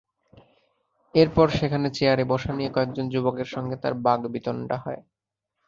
এরপর সেখানে চেয়ারে বসা নিয়ে কয়েকজন যুবকের সঙ্গে তাঁর বাগ্বিতণ্ডা হয়।